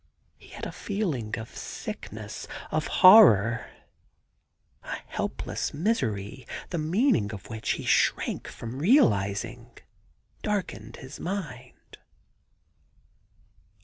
He had a feeling of sickness, of horror : a helpless misery, the meaning of which he shrank from realising, darkened his mind.